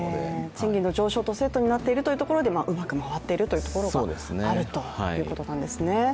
賃金の上昇とセットになっているというところでうまく回っているところがあるということなんですね。